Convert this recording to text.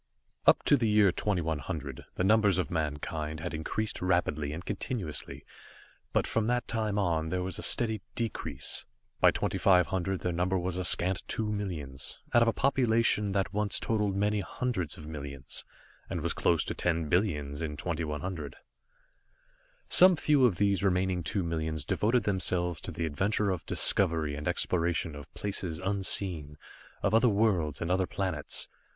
Up to the year 2100, the numbers of mankind had increased rapidly and continuously, but from that time on, there was a steady decrease. By 2500, their number was a scant two millions, out of a population that once totaled many hundreds of millions, and was close to ten billions in 2100. Some few of these remaining two millions devoted themselves to the adventure of discovery and exploration of places unseen, of other worlds and other planets.